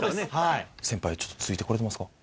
先輩ちょっとついてこれてますか？